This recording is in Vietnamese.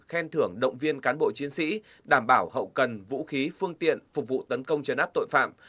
khen thưởng động viên cán bộ chiến sĩ đảm bảo hậu cần vũ khí phương tiện phục vụ tấn công chấn áp tội phạm